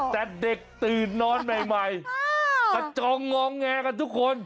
แต่เด็กตื่นนอนใหม่กระจองงองแงกันทุกคน